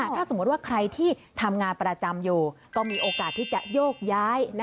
ถ้าสมมติว่าใครที่ทำงานประจำอยู่ก็มีโอกาสที่จะโยกย้าย